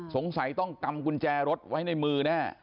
สงสัยต้องกำกุญแจรถไว้ในมือแน่